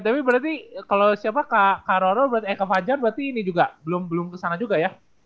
tapi berarti kalau siapa kak karoro berarti eh kak fajar berarti ini juga belum kesana juga ya